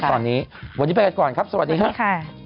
วันนี้ไปกันก่อนครับสวัสดีครับ